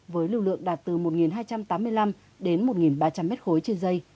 với lưu lượng đạt từ một hai trăm tám mươi năm đến một ba trăm linh m ba trên dây